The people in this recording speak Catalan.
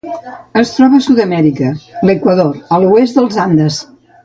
Es troba a Sud-amèrica: l'Equador a l'oest dels Andes.